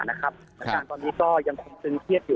และตอนนี้ก็ยังคงไปเคียบอยู่